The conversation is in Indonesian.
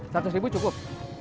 satus ribu cukup